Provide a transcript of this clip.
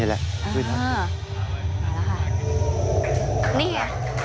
นี่ละขึ้นมาค่ะเนี่ย